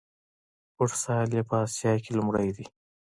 فوټسال یې په اسیا کې لومړی دی.